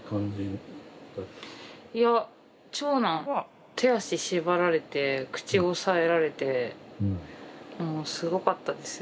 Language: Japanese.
いや長男は手足縛られて口押さえられてもうすごかったですよ。